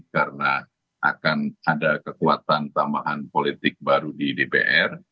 karena akan ada kekuatan tambahan politik baru di dpr